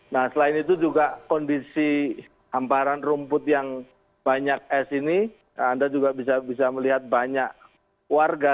nah selain itu juga kondisi hamparan rumput yang banyak es ini anda juga bisa melihat banyak warga